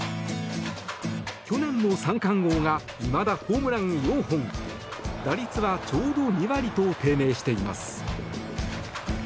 去年の三冠王がいまだホームラン４本打率はちょうど２割と低迷しています。